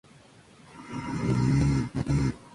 Es la cuarta obra publicada durante su trayectoria literaria.